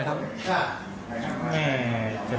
ลักษณ์มากกว่า